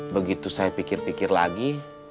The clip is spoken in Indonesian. begitu saya pikir pikir lagi